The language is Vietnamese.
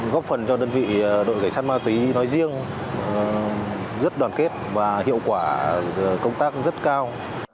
góp phần cho đơn vị đội cảnh sát ma túy nói riêng rất đoàn kết và hiệu quả công tác rất cao